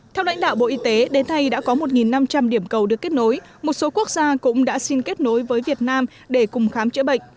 theo lãnh đạo bộ y tế đến thay đã có một năm trăm linh điểm cầu được kết nối một số quốc gia cũng đã xin kết nối với việt nam để cùng khám chữa bệnh